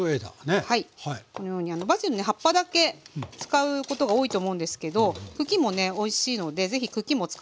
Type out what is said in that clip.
このようにバジルね葉っぱだけ使うことが多いと思うんですけど茎もねおいしいので是非茎も使って下さい。